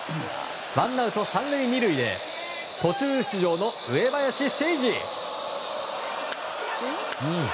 ワンアウト３塁２塁で途中出場の上林誠知。